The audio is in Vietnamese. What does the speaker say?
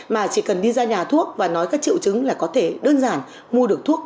mà chỉ cần đi ra nhà thuốc và nói các triệu chứng là có thể đơn giản mua được thuốc